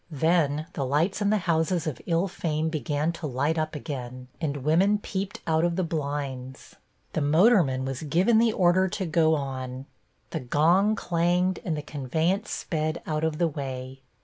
Then the lights in the houses of ill fame began to light up again, and women peeped out of the blinds. The motorman was given the order to go on. The gong clanged and the conveyance sped out of the way.